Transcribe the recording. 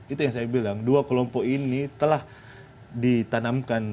itu yang saya bilang dua kelompok ini telah ditanamkan